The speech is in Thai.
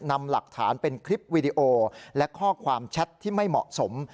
นำหลักฐานเป็นคลิปวีดีโอและข้อความแชทที่ไม่เหมาะสม